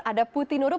ada putri nurup